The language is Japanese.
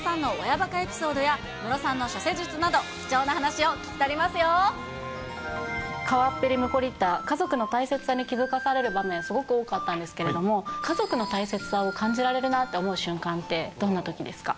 そして１５台のカメラでは、松山さんの親ばかエピソードや、ムロさんの処世術など、貴重な話川っぺりムコリッタ、家族の大切さに気付かされる場面、すごく多かったんですけれども、家族の大切さを感じられるなって思う瞬間って、どんなときですか？